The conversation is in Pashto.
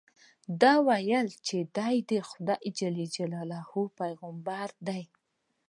ده وویل چې دې د خدای جل جلاله پیغمبر دی.